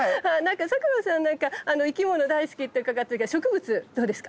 佐久間さんなんか生き物大好きって伺ってるけど植物どうですか？